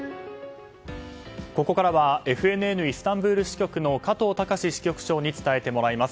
ここからはＦＮＮイスタンブール支局の加藤崇支局長に伝えてもらいます。